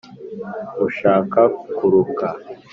nk'ushaka kuruka